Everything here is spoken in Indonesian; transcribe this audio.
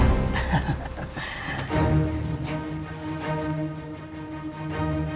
silakan pak komar